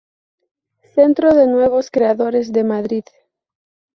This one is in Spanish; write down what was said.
Centro de Nuevos Creadores de Madrid.